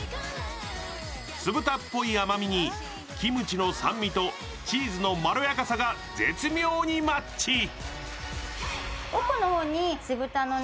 酢豚っぽい甘みにキムチの酸味とチーズのまろやかさが絶妙にマッチ。